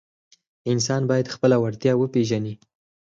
انسان باید خپله وړتیا وپیژني.